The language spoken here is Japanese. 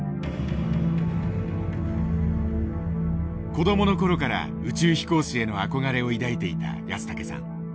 子どもの頃から宇宙飛行士への憧れを抱いていた安竹さん。